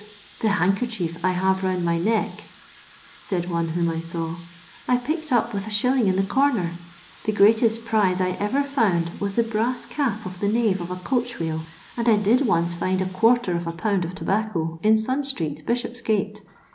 " The handkerchief I have round my neck," said one whom I saw, " I picked up with Is. in the corner. The greatest prize I ever found was the brass cap of the nave of a coach wheel ; and I did once find a quarter of a pound of tobacco in Sun street, Bisbopsgaie.